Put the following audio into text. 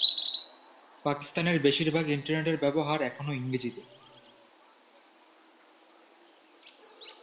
পাকিস্তানের বেশিরভাগ ইন্টারনেটের ব্যবহার এখনও ইংরেজিতে।